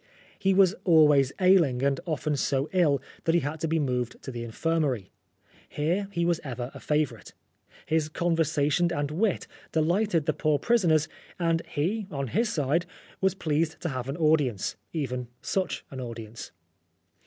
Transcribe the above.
He was always ailing, and often so ill that he had to be moved to the infirmary. Here he was ever a favourite. His conversation and wit de lighted the poor prisoners, and he, on his side, was pleased to have an audience, even such an audience.